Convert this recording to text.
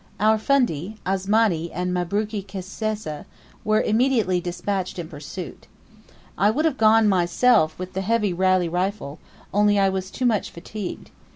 Our fundi, Asmani and Mabruki Kisesa, were immediately despatched in pursuit. I would have gone myself with the heavy Reilly rifle, only I was too much fatigued.